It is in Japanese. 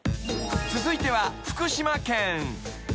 ［続いては福島県］